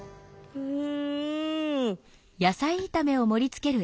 うん！